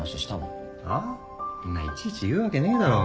んないちいち言うわけねえだろ。